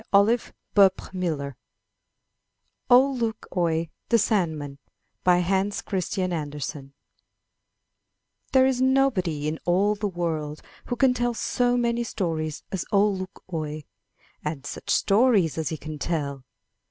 131 MY BOOK HOUSE OLE LUK OIE, THE SANDMAN Hans Christian Andersen HERE is nobody in all the world who can tell so many stories as Ole Luk oie ! And such stories as he can tell